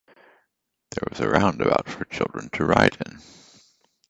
There was a roundabout for children to ride in.